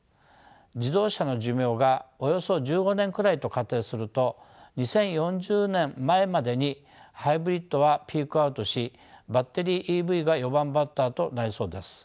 自動車の寿命がおよそ１５年くらいと仮定すると２０４０年前までにハイブリッドはピークアウトしバッテリーＥＶが四番バッターとなりそうです。